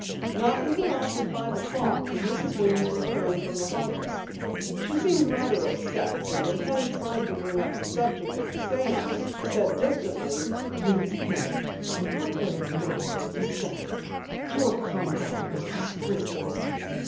Not until after five o'clock did Mrs. Weems return from the Hodges'. She seemed rather upset, and when Penny tried to bring up the subject of the séance, said distantly: "Please, Penny, I prefer not to discuss it. Your conduct was disgraceful."